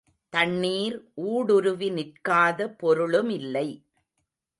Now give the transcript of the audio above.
தண்ணீர் ஊடுருவி நிற்காத பொருளுமில்லை.